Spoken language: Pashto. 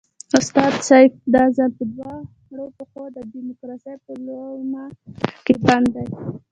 استاد سیاف دا ځل په دواړو پښو د ډیموکراسۍ په لومه کې بند دی.